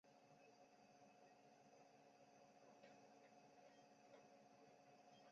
后来刁吉罕反叛后黎朝。